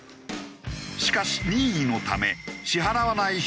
しかし任意のため支払わない人もいる